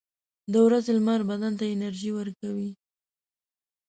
• د ورځې لمر بدن ته انرژي ورکوي.